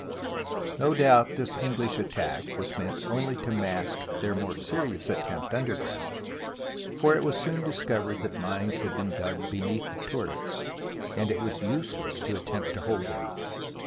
No doubt this English attack was meant only to mask their more serious attempt underground, for it was soon discovered that mines had been dug beneath the turrets and it was useless to attempt to hold them.